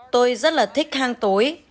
tôi rất là thích hang tối